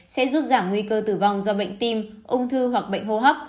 sẽ giúp giảm nguy cơ tử vong do bệnh tim ung thư hoặc bệnh hô hấp